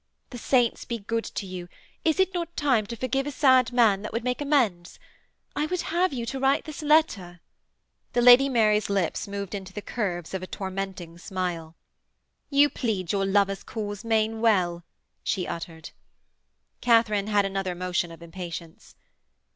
The saints be good to you; is it not time to forgive a sad man that would make amends? I would have you to write this letter.' The Lady Mary's lips moved into the curves of a tormenting smile. 'You plead your lover's cause main well,' she uttered. Katharine had another motion of impatience.